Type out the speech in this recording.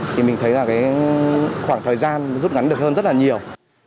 thì mình thấy là cái khoảng thời gian rút ngắn được hơn rất là nhiều